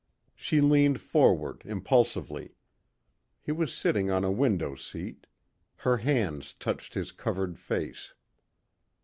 She leaned forward impulsively. He was sitting on a window seat. Her hands touched his covered face.